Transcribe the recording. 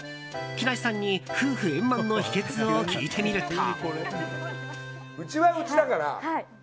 木梨さんに夫婦円満の秘訣を聞いてみると。